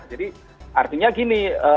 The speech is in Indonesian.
jadi artinya gini